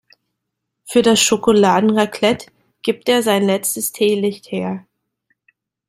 Für das Schokoladenraclette gibt er sein letztes Teelicht her.